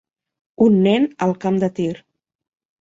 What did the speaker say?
Un nen al camp de tir